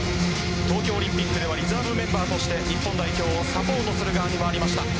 東京オリンピックではリザーブメンバーとして日本代表をサポートする側に回りました。